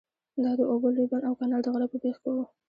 دا د اوبو لوی بند او کانال د غره په بیخ کې وو.